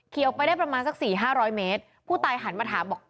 ออกไปได้ประมาณสักสี่ห้าร้อยเมตรผู้ตายหันมาถามบอก